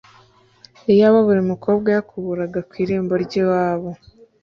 iyaba buri mukobwa yakuburaga ku irembo ry'iwabo